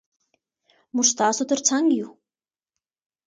موږ ستاسو تر څنګ یو.